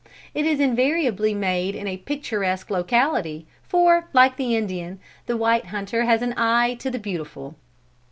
It is invariably made in a picturesque locality, for, like the Indian, the white hunter has an eye to the beautiful.